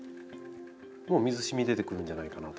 もう水しみ出てくるんじゃないかな。